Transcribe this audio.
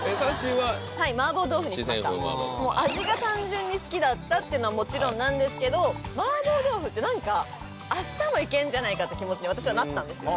はい麻婆豆腐にしました味が単純に好きだったってのはもちろんなんですけど麻婆豆腐って何か明日もいけんじゃないかって気持ちに私はなったんですよ